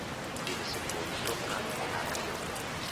Viene sepolto a Heraklion.